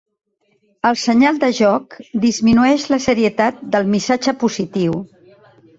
El senyal de joc disminueix la serietat del missatge positiu.